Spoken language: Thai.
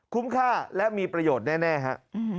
คุ้มค่าและมีประโยชน์แน่ครับ